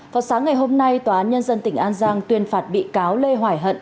phó xá ngày hôm nay tòa án nhân dân tỉnh an giang tuyên phạt bị cáo lê hoài hận